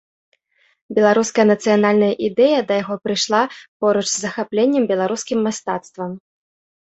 Беларуская нацыянальная ідэя да яго прыйшла поруч з захапленнем беларускім мастацтвам.